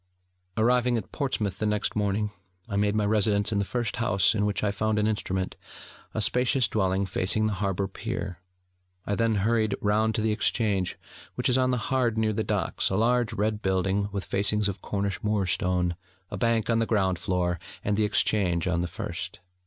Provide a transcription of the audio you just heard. Arriving at Portsmouth the next morning, I made my residence in the first house in which I found an instrument, a spacious dwelling facing the Harbour Pier. I then hurried round to the Exchange, which is on the Hard near the Docks, a large red building with facings of Cornish moor stone, a bank on the ground floor, and the Exchange on the first.